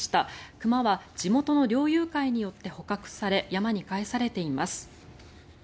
熊は地元の猟友会によって捕獲され山に返されています。